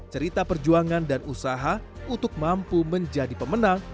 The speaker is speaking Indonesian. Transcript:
cerita perjuangan dan usaha untuk mampu menjadi pemenang